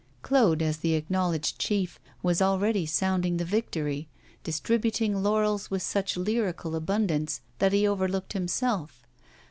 Claude, as the acknowledged chief, was already sounding the victory, distributing laurels with such lyrical abundance that he overlooked himself.